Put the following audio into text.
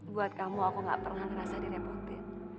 buat kamu aku gak pernah ngerasa direbutin